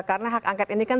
karena hak angket ini kan